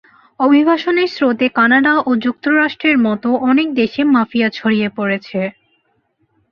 অভিবাসনের স্রোতে কানাডা ও যুক্তরাষ্ট্রের মতো অনেক দেশে মাফিয়া ছড়িয়ে পড়েছে।